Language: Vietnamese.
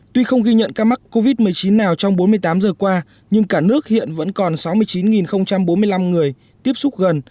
tuy không ghi nhận ca mắc covid một mươi chín nào trong bốn mươi tám giờ qua nhưng cả nước hiện vẫn còn sáu mươi chín bốn mươi năm người tiếp xúc gần